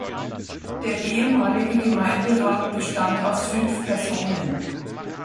Der ehemalige Gemeinderat bestand aus fünf Personen.